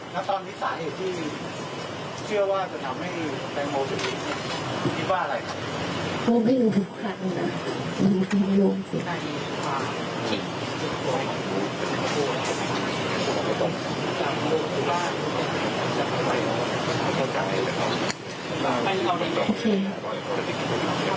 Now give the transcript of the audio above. แล้วตอนนี้สาเหตุที่เชื่อว่าจะทำให้แปลงมงค์ทุกทีคิดว่าอะไร